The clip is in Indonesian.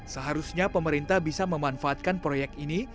seharusnya pemerintah bisa memanfaatkan proyek ini